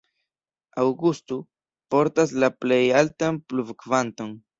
Aŭgusto portas la plej altan pluvo-kvanton.